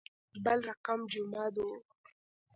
بل رقم جمعه دو.